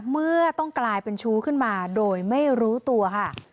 เมื่อต้องกลายเป็นชู้ขึ้นมาโดยไม่รู้ตัวค่ะ